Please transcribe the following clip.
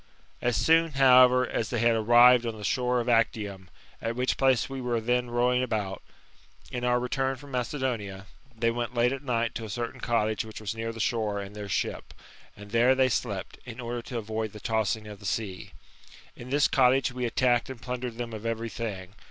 As soon, however, as they had arrived on the shore of Actium, at which place we were then roving about, in our return from Macedonia, Ihejr went late at night to a certain cottage which was near the shore and their ship, and there they slept, in order to avoid the tossing of the sea. In this cottage we attacked and plundered them of every thing.